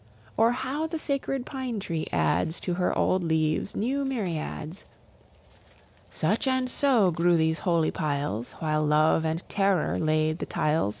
Or how the sacred pine tree adds To her old leaves new myriads? Such and so grew these holy piles, While love and terror laid the tiles.